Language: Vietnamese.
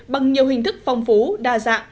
bằng nhiều hình thức phong phú đa dạng